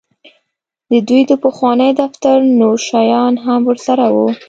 د دوی د پخواني دفتر نور شیان هم ورسره وو